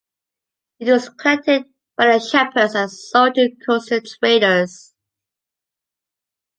It was collected by the shepherds and sold to coastal traders.